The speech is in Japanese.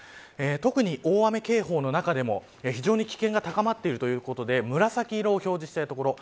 特に大雨警報の中でも非常に危険が高まっているということで紫色を表示している所。